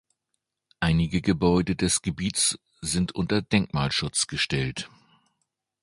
Einige Gebäude des Gebiets sind unter Denkmalschutz gestellt.